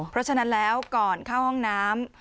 เพราะฉะนั้นแล้วก่อนเข้าห้องน้ำ